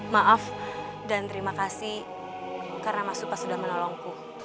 maaf dan terima kasih karena mas dupa sudah menolongku